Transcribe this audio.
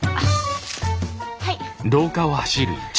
はい。